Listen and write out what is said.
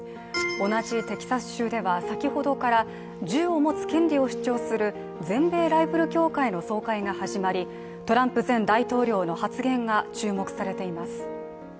同じテキサス州では先ほどから銃を持つ権利を主張する全米ライフル協会の総会が始まりトランプ前大統領の発言が注目されています。